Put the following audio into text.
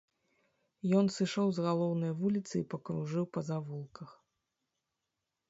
Ён сышоў з галоўнае вуліцы і пакружыў па завулках.